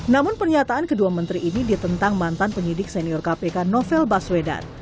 namun pernyataan kedua menteri ini ditentang mantan penyidik senior kpk novel baswedan